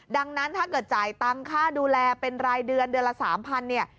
ดังนั้นถ้าเกิดจ่ายตังค่าดูแลเป็นรายเดือนเดือนละ๓๐๐เนี่ย